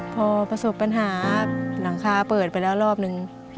พอประสบปัญหาหลังคาเปิดไปแล้วรอบนึง